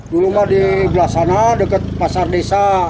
dulu mah di belah sana deket pasar desa